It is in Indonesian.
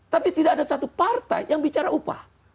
tapi tidak ada satu partai yang bicara upah